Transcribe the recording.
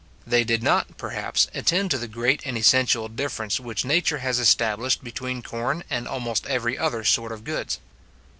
They did not, perhaps, attend to the great and essential difference which nature has established between corn and almost every other sort of goods.